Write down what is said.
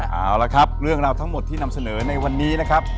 เอาละครับเรื่องราวทั้งหมดที่นำเสนอในวันนี้นะครับ